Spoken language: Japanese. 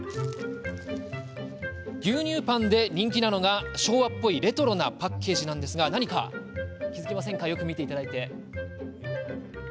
牛乳パンで人気なのが昭和っぽいレトロなパッケージなんですが何か気付きませんか？